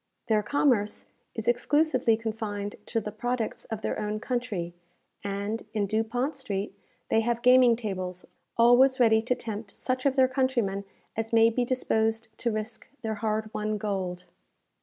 Their commerce is exclusively confined to the products of their own country; and, in Dupont Street, they have gaming tables always ready to tempt such of their countrymen as may be disposed to risk their hard won gold.